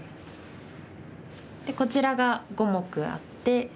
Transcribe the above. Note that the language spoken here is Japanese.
こちらが５目あって。